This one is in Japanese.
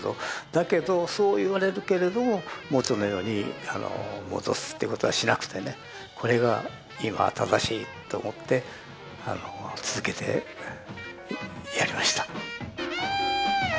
だけどそう言われるけれども元のように戻すっていうことはしなくてねこれが今は正しいと思ってあの続けてやりました。